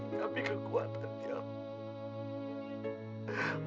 kami kekuatan ya allah